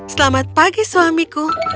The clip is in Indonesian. selamat pagi suamiku